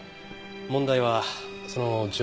問題はその情報が。